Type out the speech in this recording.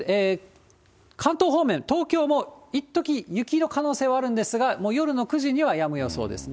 関東方面、東京もいっとき雪の可能性はあるんですが、もう夜の９時にはやむ予想ですね。